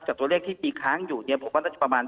ตัวเลขที่มีค้างอยู่เนี่ยผมว่าน่าจะประมาณ